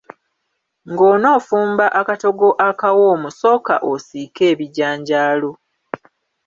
Ng'onoofumba akatogo akawoomu sooka osiike ebijanjaalo.